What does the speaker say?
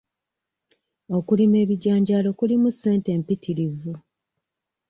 Okulima ebijanjaalo kulimu ssente mpitirivu.